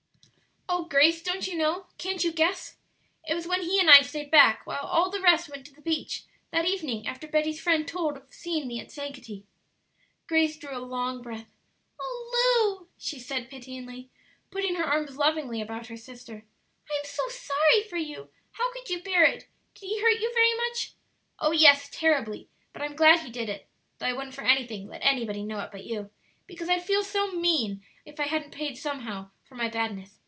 "Oh, Grace! don't you know? can't you guess? It was when he and I stayed back while all the rest went to the beach, that evening after Betty's friend told of seeing me at Sankaty." Grace drew a long breath. "Oh, Lu," she said pityingly, putting her arms lovingly about her sister, "I'm so sorry for you! How could you bear it? Did he hurt you very much?" "Oh, yes, terribly; but I'm glad he did it (though I wouldn't for anything let anybody know it but you), because I'd feel so mean if I hadn't paid somehow for my badness.